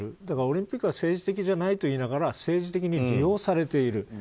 だからオリンピックは政治的じゃないと言いながら政治的に利用されている。